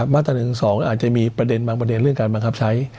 มาตรา๑๑๒อาจจะมีประเด็นบางประเด็นเรื่องการบังคับใช้